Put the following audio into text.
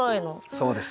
そうです。